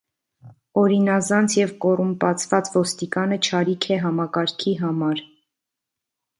Օրինազանց և կոռումպացված ոստիկանը չարիք է համակարգի համար: